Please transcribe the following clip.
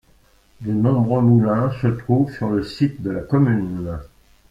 De nombreux moulins se trouvent sur le site de la commune.